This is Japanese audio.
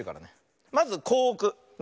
まずこうおく。ね。